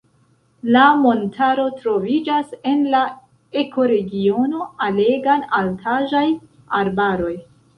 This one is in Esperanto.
La montaro troviĝas en la ekoregiono alegan-altaĵaj arbaroj.